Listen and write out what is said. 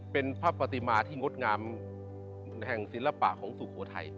เป็นพระปฏิมาที่งดงามแห่งศิลปะของสุโขทัย